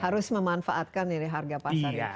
harus memanfaatkan ini harga pasarnya